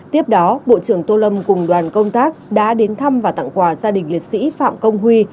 tiếp đó bộ trưởng tô lâm cùng đoàn công tác đã đến thăm và tặng quà gia đình liệt sĩ phạm công huy